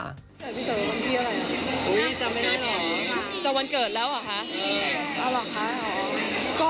เจอวันเกิดแล้วเหรอคะ